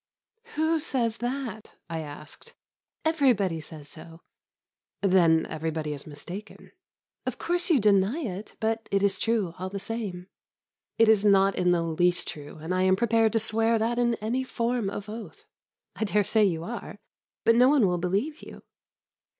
"Who says that?" I asked. "Everybody says so." "Then everybody is mistaken." "Of course you deny it; but it is true, all the same." "It is not in the least true, and I am prepared to swear that in any form of oath." "I dare say you are, but no one will believe you."